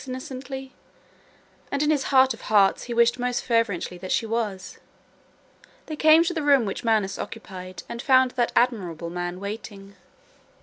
innocently, and in his heart of hearts he wished most fervently that she was. They came to the room which Mansus occupied and found that admirable man waiting.